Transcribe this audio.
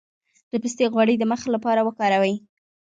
د پسته غوړي د مخ لپاره وکاروئ